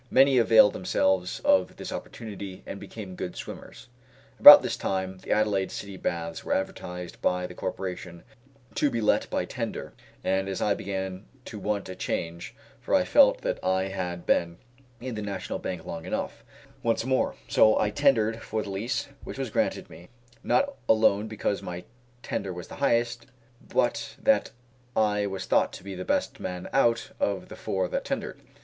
Many availed themselves of this opportunity, and became good swimmers. About this time the Adelaide City Baths were advertised by the Corporation to be let by tender, and as I began to want a change, for I felt that I had been in the National Bank long enough, and longed to be my own master once more, so I tendered for the lease, which was granted me, not alone because my tender was the highest, but that I was thought to be the best man out of the four that tendered.